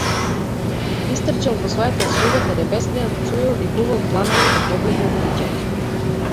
Истрчал во својата соба каде беснеел, пцуел и ковал планови да побегне од куќата.